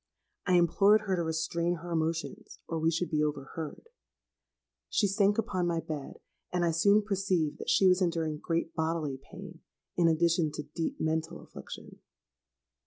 I implored her to restrain her emotions, or we should be overheard. She sank upon my bed; and I soon perceived that she was enduring great bodily pain in addition to deep mental affliction.